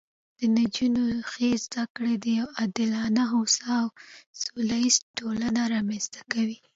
د نجونو ښې زده کړې یوه عادلانه، هوسا او سوله ییزه ټولنه رامنځته کوي